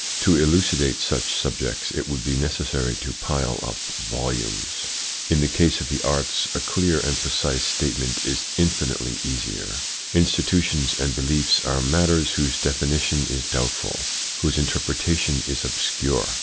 To elucidate such sub jects, it would be necessary to pile up volumes. In the case of the arts, a clear and precise state THE PSYCHOLOGY OF PEOPLES 101 ment is infinitely easier. Institutions and beliefs are matters whose definition is doubtful, whose interpreta tion is obscure.